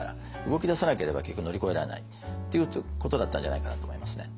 動き出さなければ結局乗り越えられない。っていうことだったんじゃないかなと思いますね。